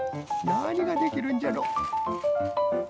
なにができるんじゃろ？